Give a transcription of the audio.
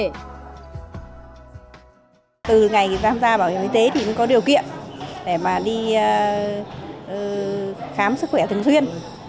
từ ngày ra bảo hiểm y tế thì có điều kiện để đi khám sức khỏe thường xuyên